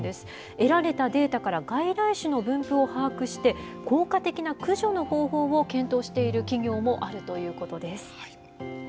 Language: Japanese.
得られたデータから、外来種の分布を把握して、効果的な駆除の方法を検討している企業もあるとい